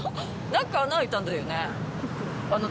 何か穴開いたんだよね